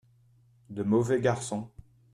De mauvais garçons.